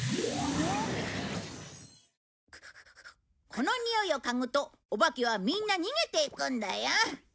このにおいを嗅ぐとお化けはみんな逃げていくんだよ！